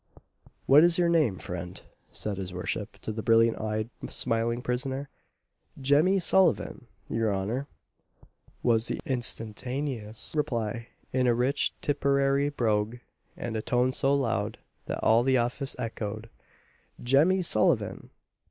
"What is your name, friend?" said his worship, to the brilliant eyed, smiling prisoner. "Jemmy Sullivan! your honour," was the instantaneous reply, in a rich Tipperary brogue, and a tone so loud, that all the office echoed, "Jemmy Sullivan!"